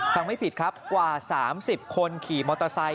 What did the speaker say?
ไม่ผิดครับกว่า๓๐คนขี่มอเตอร์ไซค